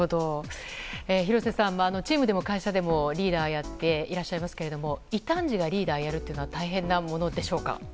廣瀬さん、チームでも会社でもリーダーをやっていらっしゃいますが異端児がリーダーやるというのは大変なものでしょうか。